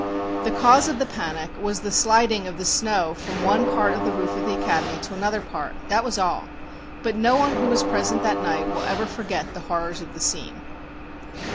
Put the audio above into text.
The cause of the panic was the sliding of the snow from one part of the roof of the Academy to another part. That was all. But no one who was present that night will ever forget the horrors of the scene.